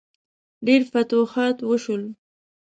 ډیر فتوحات وشول.